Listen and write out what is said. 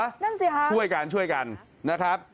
นั่งสี่ค่ะช่วยกันนะครับ